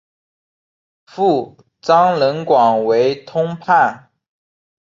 父张仁广为通判。